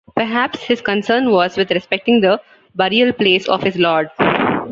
Perhaps his concern was with respecting the burial place of his lord.